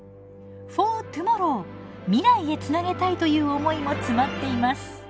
フォートゥモロー未来へつなげたいという思いも詰まっています。